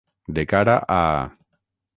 De cara a.